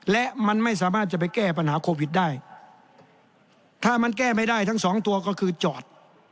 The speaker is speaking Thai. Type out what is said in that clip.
และมันไม่สามารถจะไปแก้ปัญหาโควิดได้ถ้ามันแก้ไม่ได้ทั้งสองตัวก็คือจอด